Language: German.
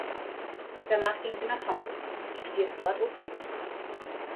Danach ging sie nach Hamburg und studierte dort Opernregie.